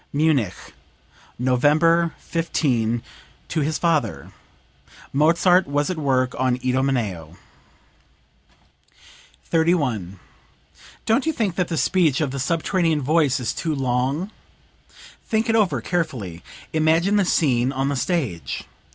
(Munich, November 15, to his father. Mozart was at work on "Idomeneo.") 31. "Don't you think that the speech of the subterranean voice is too long? Think it over, carefully. Imagine the scene on the stage.